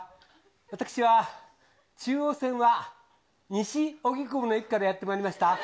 私は中央線は西荻窪の駅からやってまいりました、